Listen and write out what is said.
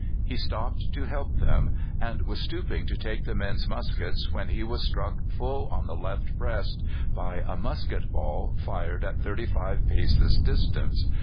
He stopped to help them, and was stooping to take the men's muskets when he was struck full on the left breast by a musket ball fired at thirty five paces' distance.